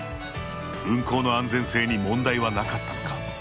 運航の安全性に問題はなかったのか。